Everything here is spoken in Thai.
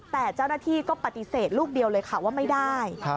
แต่เจ้าหน้าที่ก็ปฏิเสธลูกเดียวเลยค่ะว่าไม่ได้